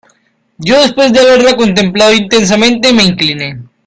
yo, después de haberla contemplado intensamente , me incliné.